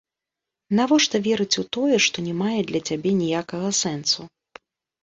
Навошта верыць у тое, што не мае для цябе ніякага сэнсу?